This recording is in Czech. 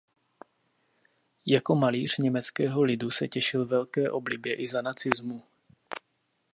Jako „malíř německého lidu“ se těšil velké oblibě i za nacismu.